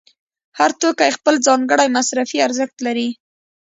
هر توکی خپل ځانګړی مصرفي ارزښت لري